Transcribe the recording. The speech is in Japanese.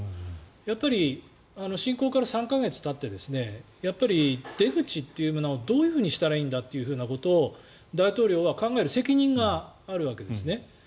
やっぱり侵攻から３か月たって出口というものをどういうふうにしたらいいんだというものを大統領は考える責任があるわけですね。